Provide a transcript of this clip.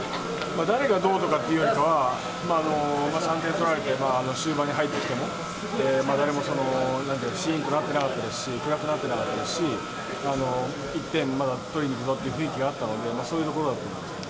誰がどうとかっていうよりかは、３点取られて終盤に入ってきても、誰もしーんとなってなかったですし、暗くなってなかったですし、１点まだ取りにいくぞって雰囲気があったんで、そういうところだと思いますね。